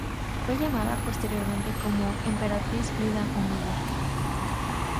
Fue llamada posteriormente como Emperatriz Viuda Omiya.